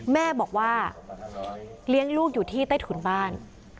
แม่บอกว่าเลี้ยงลูกอยู่ที่ใต้ถุนบ้าน